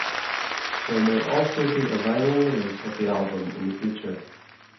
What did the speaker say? There may also be a vinyl release of the album in the future.